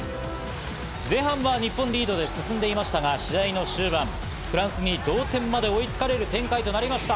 前半は日本リードで進んでいましたが、試合の終盤、フランスに同点まで追いつかれる展開となりました。